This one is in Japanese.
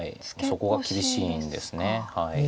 そこが厳しいんですね。